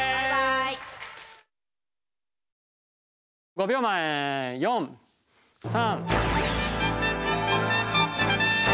５秒前４３。